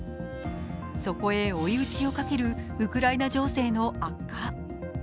そこへ追い打ちをかけるウクライナ情勢の悪化。